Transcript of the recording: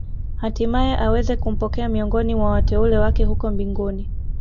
Hatimae aweze kumpokea miongoni mwa wateule wake huko mbinguni